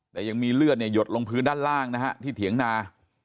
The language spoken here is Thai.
แต่ยังมีเลือดหยดลงพื้นด้านล่างนะฮะที่เถียงนา